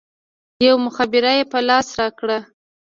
يوه مخابره يې په لاس راکړه.